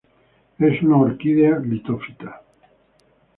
Es una orquídea litofita.